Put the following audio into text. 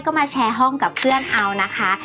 ก็มาแชร์ห้องกับเพื่อนเอานะคะ